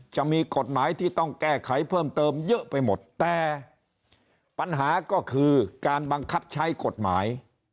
จะมีกฎหมายที่ต้องแก้ไขเพิ่มเติมเยอะไปหมดแต่ปัญหาก็คือการบังคับใช้กฎหมาย